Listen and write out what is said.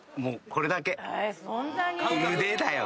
腕だよ。